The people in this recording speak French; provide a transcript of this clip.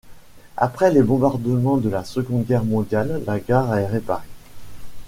Après les bombardements de la Seconde Guerre mondiale, la gare est réparée.